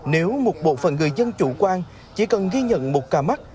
nếu một bộ phận người dân chủ quan chỉ cần ghi nhận một ca mắc